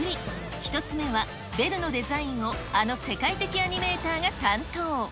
１つ目はベルのデザインをあの世界的アニメーターが担当。